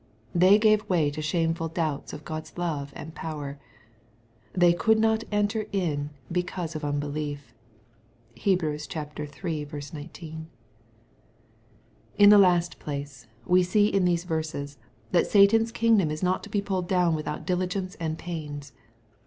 They gave way to shameful doubts of God's love and power. " They could not enter in be cause of unbelief." (Heb. iii. 19.) In the last place, we see in these verses that Satan's kingdom is not to be pulled down without diligence and pains.